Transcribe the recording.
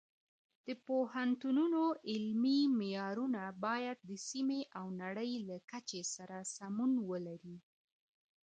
د پوهنتونونو علمي معیارونه باید د سیمې او نړۍ له کچې سره سمون ولري.